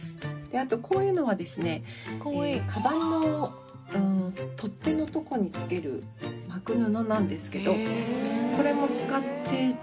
あとこういうのはですねカバンの取っ手のとこにつける巻く布なんですけどこれも使って。